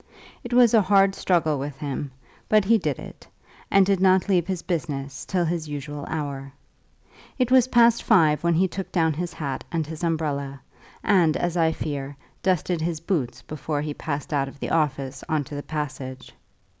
It was a hard struggle with him, but he did it, and did not leave his business till his usual hour. It was past five when he took down his hat and his umbrella, and, as I fear, dusted his boots before he passed out of the office on to the passage.